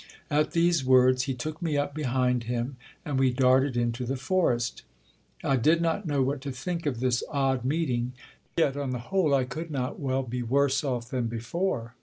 At these words, he took me up behind him, and we darted into the forest. I did not know what to think of this odd meeting ; yet on the whole I could not well be worse off than before.